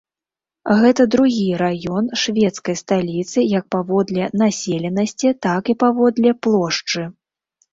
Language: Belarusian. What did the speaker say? Гэта другі раён шведскай сталіцы як паводле населенасці, так і паводле плошчы.